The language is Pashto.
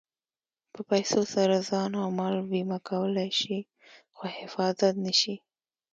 په پیسو سره ځان او مال بیمه کولی شې خو حفاظت نه شې.